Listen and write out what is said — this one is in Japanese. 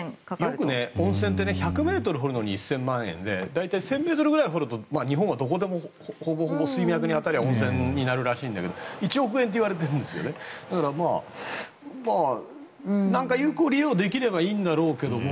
よく温泉って１００ｍ掘るのに１０００万円で大体１０００ｍぐらい掘ると日本は、ほぼほぼどこでも水脈に当たれば温泉になるらしいんだけど１億円といわれているんですよねだから、何か有効利用できればいいんだろうけれども。